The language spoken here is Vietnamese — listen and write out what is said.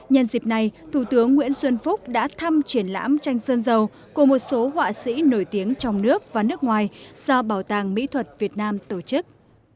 nhân dịp này thủ tướng nguyễn xuân phúc đã thăm triển lãm tranh sơn dầu của một số họa sĩ nổi tiếng trong nước và nước ngoài do bảo tàng mỹ thuật việt nam tổ chức